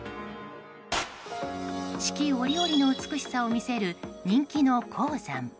四季折々の美しさを見せる人気の衡山。